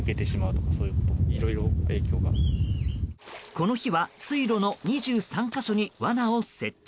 この日は水路の２３か所にわなを設置。